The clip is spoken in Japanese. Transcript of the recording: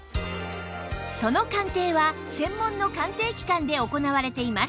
その鑑定は専門の鑑定機関で行われています